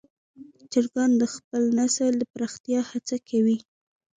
چرګان د خپل نسل د پراختیا هڅه کوي.